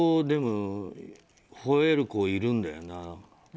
でも、ほえる子いるんだよな。